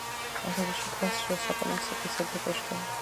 სოფელში დგას შუა საუკუნეების ეკლესია და კოშკი.